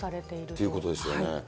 ということですよね。